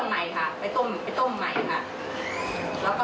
ฟองขึ้นค่ะเป็นฟองขึ้นรอกกลิ่นออกเยอะค่ะ